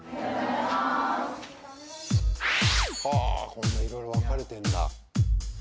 こんないろいろ分かれてんだ。